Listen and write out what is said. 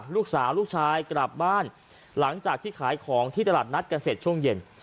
ลูกสาวลูกชายกลับบ้านหลังจากที่ขายของที่ตลาดนัดกันเสร็จช่วงเย็น